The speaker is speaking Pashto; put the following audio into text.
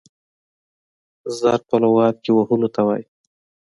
ضرب په لغت کښي وهلو ته وايي.